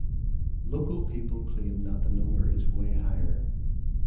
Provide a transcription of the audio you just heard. Local people claim that the number is way higher.